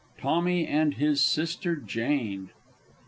TOMMY AND HIS SISTER JANE.